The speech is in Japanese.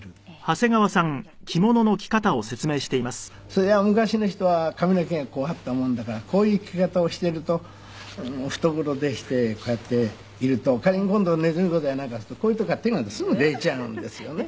そりゃ昔の人は髪の毛がこうあったもんだからこういう着方をしていると懐でしてこうやっていると仮に今度ねじる事やなんかするとこういう所から手がすぐ出ちゃうんですよね。